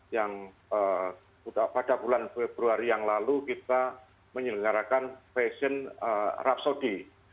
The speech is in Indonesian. yang pada bulan februari yang lalu kita menyelenggarakan fashion arab saudi